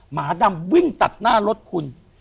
หมาดำวิ่งตัดหน้ารถคุณ